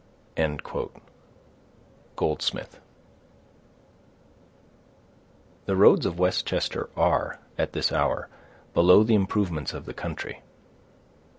—GOLDSMITH. The roads of Westchester are, at this hour, below the improvements of the country.